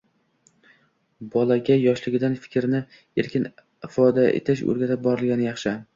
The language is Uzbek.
Bolaga yoshligidan fikrini erkin ifodalash o‘rgatib borilgani yaxshi.